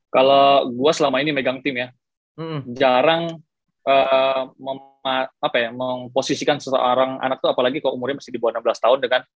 kalau gue selama ini megang tim ya jarang memposisikan seseorang anak itu apalagi kalau umurnya masih di bawah enam belas tahun